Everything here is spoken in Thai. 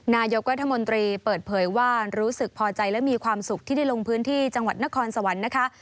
นายกรัฐมนตรีเปิดเผยว่ารู้สึกพอใจและมีความสุขที่ได้ลงพื้นที่จังหวัดนครสวรรค์นะคะ